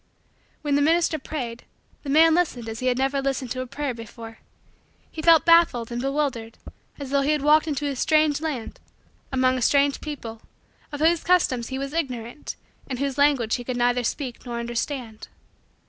When the minister prayed, the man listened as he had never listened to a prayer before. He felt baffled and bewildered as though he had wandered into a strange land, among strange people, of whose customs he was ignorant, and whose language he could neither speak nor understand.